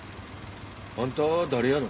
あんた誰やの？